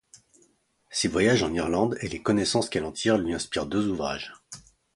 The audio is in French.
Ses voyages en Irlande, et les connaissances qu'elle en tire lui inspirent deux ouvrages.